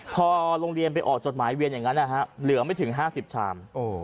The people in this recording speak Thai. พอโรงเรียนไปออกจดหมายเวียนอย่างนั้นนะฮะเหลือไม่ถึง๕๐ชาม